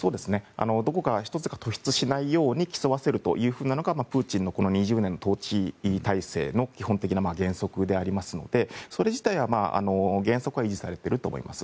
どこか１つが突出しないように競わせるのがプーチンの、この２０年の統治体制の基本原則ですのでそれ自体の原則は維持されていると思います。